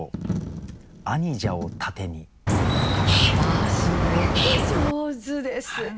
あすごく上手ですね！